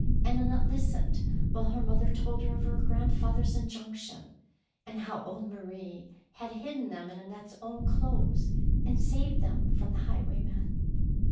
and Annette listened while her mother told her of her grandfather's injunc tion, and how old Marie had hidden them in Annette's own clothes and saved them from the highwaymen.